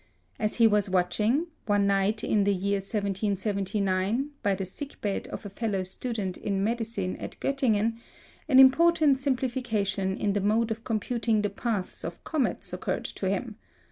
As he was watching, one night in the year 1779, by the sick bed of a fellow student in medicine at Göttingen, an important simplification in the mode of computing the paths of comets occurred to him.